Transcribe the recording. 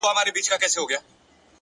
علم د پوهې رڼا خپروي,